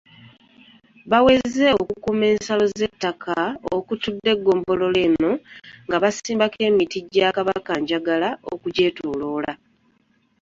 Baweze okukuuma ensalo z’ettaka okutudde eggombolola eno nga basimbako emiti gya Kabakanjagala okugyetooloola